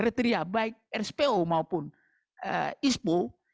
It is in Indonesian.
kriteria baik rspo maupun ispo